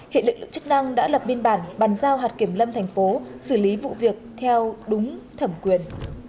hiện lực lượng chức năng đã lập biên bản bàn giao hạt kiểm lâm tp xử lý vụ việc theo đúng thẩm quyết